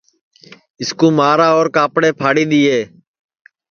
اِس کُو مارا اور کاپڑے پھاڑی دِیئے